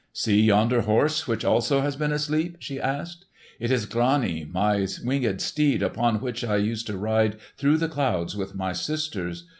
"See yonder horse, which also has been asleep?" she asked. "It is Grani, my winged steed, upon which I used to ride through the clouds with my sisters.